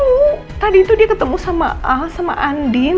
tuh tadi itu dia ketemu sama al sama andin